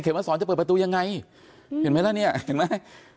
มาสอนจะเปิดประตูยังไงเห็นไหมล่ะเนี่ยเห็นไหม